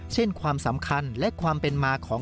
ความสำคัญและความเป็นมาของ